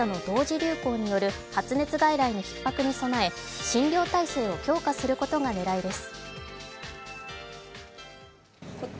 流行による発熱外来のひっ迫に備え診療体制を強化することが狙いです。